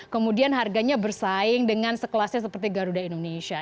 kemudian harganya bersaing dengan sekelasnya seperti garuda indonesia